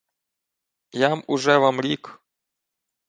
— Я-м уже вам рік...